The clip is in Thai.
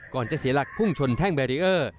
จะเสียหลักพุ่งชนแท่งแบรีเออร์